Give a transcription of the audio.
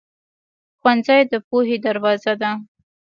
ښوونځی د پوهې دروازه ده.